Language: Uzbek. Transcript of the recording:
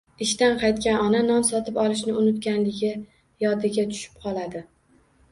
Ishdan qaytgan ona non sotib olishni unutganligi yodiga tushib qoladi